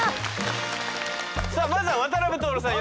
さあまずは渡辺徹さん